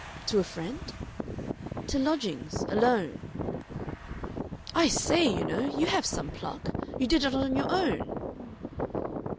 "To a friend?" "To lodgings alone." "I say, you know, you have some pluck. You did it on your own?"